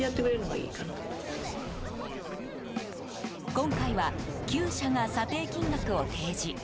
今回は９社が査定金額を提示。